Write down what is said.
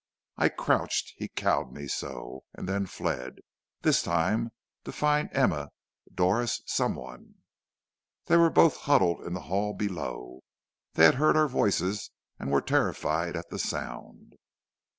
"I crouched, he cowed me so, and then fled, this time to find Emma, Doris, some one. "They were both huddled in the hall below. They had heard our voices and were terrified at the sound.